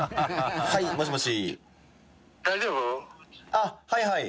あっはいはい。